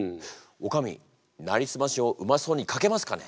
おかみ「なりすまし」をうまそうに書けますかね？